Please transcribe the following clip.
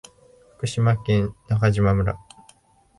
福島県中島村